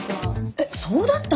えっそうだったの！？